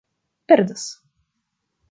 perdas